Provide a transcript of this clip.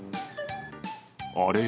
あれ？